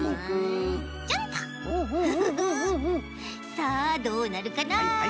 さあどうなるかな。